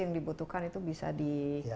yang dibutuhkan itu bisa di